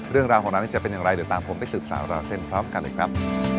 เรื่องราวของร้านนี้จะเป็นอย่างไรเดี๋ยวตามผมไปสืบสาวราวเส้นพร้อมกันเลยครับ